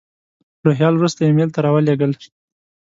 روهیال وروسته ایمیل ته را ولېږل.